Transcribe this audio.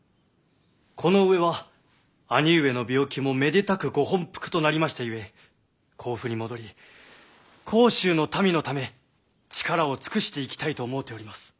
このうえは兄上の病気もめでたくご本復となりましたゆえ甲府に戻り甲州の民のため力を尽くしていきたいと思うております。